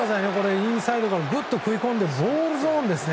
インサイドから食い込んでボールゾーンですね。